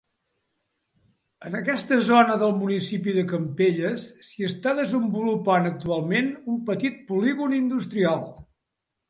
En aquesta zona del municipi de Campelles s'hi està desenvolupant actualment un petit polígon industrial.